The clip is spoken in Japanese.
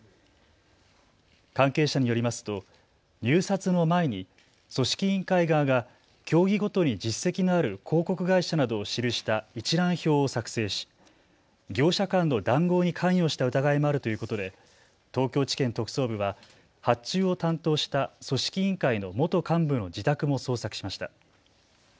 関係者によりますと入札の前に組織委員会側が競技ごとに実績のある広告会社などを記した一覧表を作成し業者間の談合に関与した疑いもあるということで東京地検特捜部は発注を担当した組織委員会の元幹部の自宅も捜索しました。